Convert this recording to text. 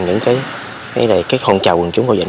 những cái hôn trào của chúng tôi